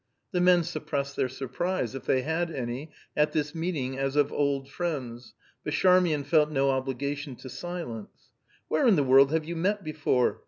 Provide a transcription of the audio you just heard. The men suppressed their surprise, if they had any, at this meeting as of old friends, but Charmian felt no obligation to silence. "Where in the world have you met before?